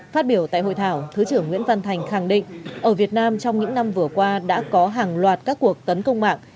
phát biểu tại hội thảo thứ trưởng nguyễn văn thành khẳng định ở việt nam trong những năm vừa qua đã có hàng loạt các cuộc tấn công mạng